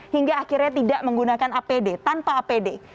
hingga akhirnya tidak menggunakan apd tanpa apd